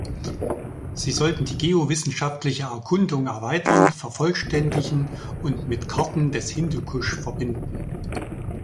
Sie sollte die geowissenschaftliche Erkundung erweitern, vervollständigen und mit Karten des Hindukusch verbinden.